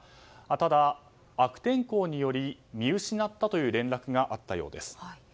ただ、悪天候により見失ったという連絡があったようです。